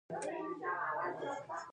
ایا زه باید سټنټ ولګوم؟